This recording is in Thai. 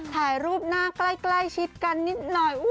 ถ่ายรูปหน้าใกล้ชิดกันนิดหน่อย